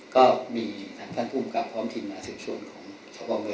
ก็มีแห่งบุคกรรมที่น่าสึกโชคของเธอ